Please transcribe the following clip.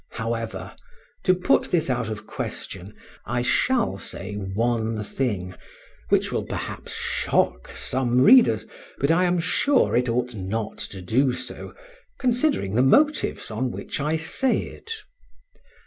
However, to put this out of question, I shall say one thing, which will perhaps shock some readers, but I am sure it ought not to do so, considering the motives on which I say it.